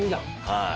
はい。